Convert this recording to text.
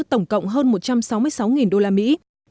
tổng cộng hơn một trăm sáu mươi sáu đô la mỹ